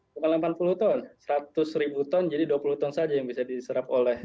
bukan delapan puluh ton seratus ribu ton jadi dua puluh ton saja yang bisa diserap oleh